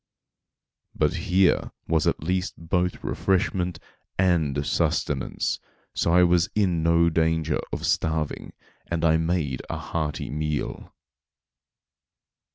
But here was at least both refreshment and sustenance, so I was in no danger of starving, and I made a hearty meal.